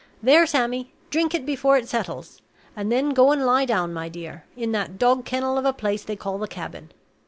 There, Sammy! drink it before it settles; and then go and lie down, my dear, in that dog kennel of a place they call the cabin.